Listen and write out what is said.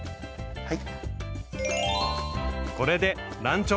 はい。